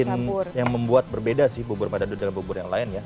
ini yang membuat berbeda sih bubur pada bubur yang lain ya